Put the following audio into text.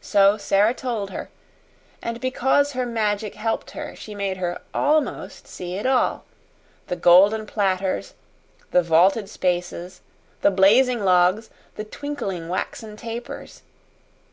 So Sara told her, and because her Magic helped her she made her ALMOST see it all: the golden platters the vaulted spaces the blazing logs the twinkling waxen tapers.